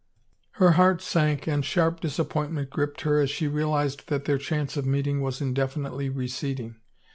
Her heart sank and sharp disappointment gripped her as she realized that their chance of meeting was in definitely receding.